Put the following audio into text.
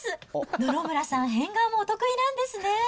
野々村さん、変顔もお得意なんですね。